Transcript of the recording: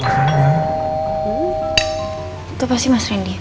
itu pasti mas rendy